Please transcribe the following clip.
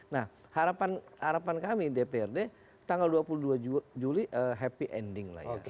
nah harapan kami dprd tanggal dua puluh dua juli happy ending lah ya